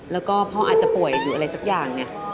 แล้วก็พ่ออาจจะป่วยอยู่อะไรสักอย่าง